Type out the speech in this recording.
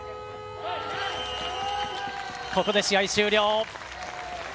ここで試合終了。